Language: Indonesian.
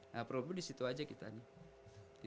nah problemnya disitu aja kita nih